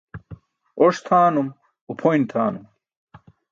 Oṣ tʰaanum, upʰoyn tʰaanum.